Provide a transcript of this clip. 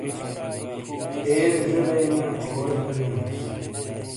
پیرے ڙے بینا، اورے بے بیونس۔